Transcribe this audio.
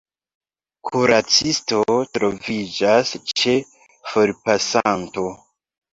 Kuracisto troviĝas ĉe forpasanto.